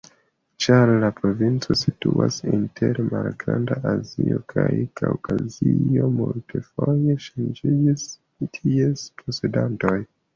Ĉar la provinco situas inter Malgranda Azio kaj Kaŭkazio, multfoje ŝanĝiĝis ties posedantoj.